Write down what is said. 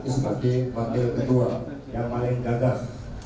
sebagai wakil ketua yang paling gagas